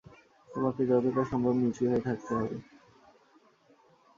তোমাকে যতটা সম্ভব নিঁচু হয়ে থাকতে হবে।